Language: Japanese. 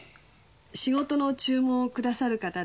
仕事の注文を下さる方で。